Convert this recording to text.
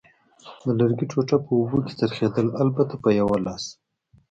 د لرګي ټوټه په اوبو کې څرخېدل، البته په یوه لاس.